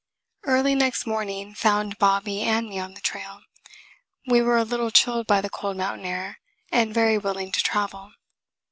Early next morning found Bobby and me on the trail. We were a little chilled by the cold mountain air and very willing to travel.